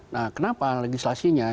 nah kenapa legislasinya